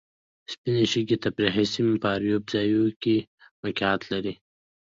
سپینې شګې تفریحي سیمه په اریوب ځاځیو کې موقیعت لري.